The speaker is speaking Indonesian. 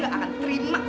selamat mengalami kamu